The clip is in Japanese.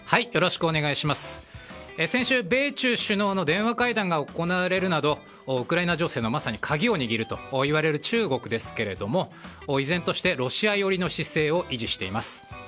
先週、米中首脳の電話会談が行われるなどウクライナ情勢がまさに鍵を握るといわれる中国ですけれども依然としてロシア寄りの姿勢を維持しています。